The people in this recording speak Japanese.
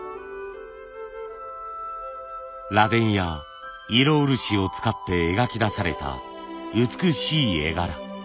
螺鈿や色漆を使って描き出された美しい絵柄。